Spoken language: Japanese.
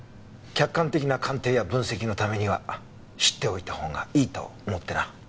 客観的な鑑定や分析のためには知っておいた方がいいと思ってな。